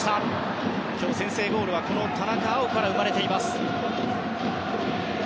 今日、先制ゴールは田中碧から生まれています。